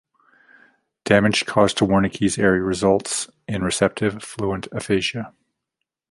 Damage caused to Wernicke's area results in receptive, fluent aphasia.